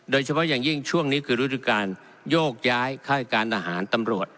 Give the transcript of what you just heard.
โดยเฉพาะอย่างยิ่งช่วงนี้คือฤดูการโยกย้ายค่ายการทหารตำรวจ